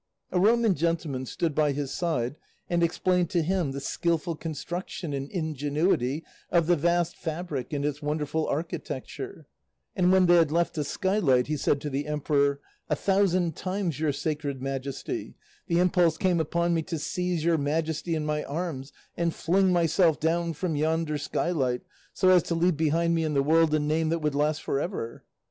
A Roman gentleman stood by his side and explained to him the skilful construction and ingenuity of the vast fabric and its wonderful architecture, and when they had left the skylight he said to the emperor, 'A thousand times, your Sacred Majesty, the impulse came upon me to seize your Majesty in my arms and fling myself down from yonder skylight, so as to leave behind me in the world a name that would last for ever.